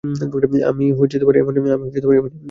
আমি এমন কিছুই বলিনি।